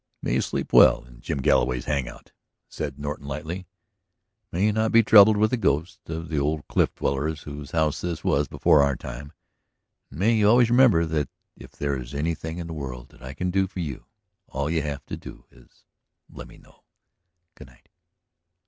"May you sleep well in Jim Galloway's hang out," said Norton lightly. "May you not be troubled with the ghosts of the old cliff dwellers whose house this was before our time. And may you always remember that if there is anything in the world that I can do for you all you have to do is let me know. Good night."